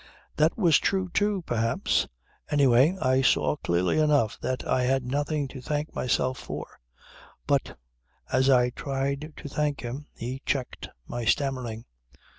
"That was true too, perhaps. Anyway I saw clearly enough that I had nothing to thank myself for. But as I tried to thank him, he checked my stammering.